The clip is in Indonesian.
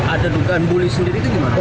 ada dugaan bully sendiri itu gimana